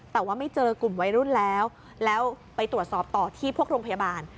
แต่ว่าไม่เจอกลุ่มวัยรุ่นแล้วแล้วไปตรวจสอบต่อที่พวกโรงพยาบาล